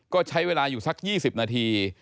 ก็ใช้เวลาอยู่สัก๒๐นาที